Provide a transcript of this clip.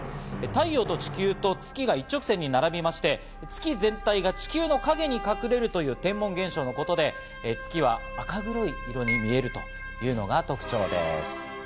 太陽と地球と月が一直線に並びまして、月全体が地球の影に隠れるという天文現象のことで、月は赤黒い色に見えるというのが特徴です。